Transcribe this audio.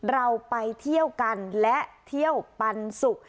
เราไปเที่ยวกันและเที่ยวปันสุก